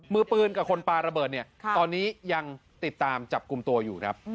มือปืนกับคนปลาระเบิดเนี่ยตอนนี้ยังติดตามจับกลุ่มตัวอยู่ครับ